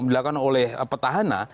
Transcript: yang dilakukan oleh petahana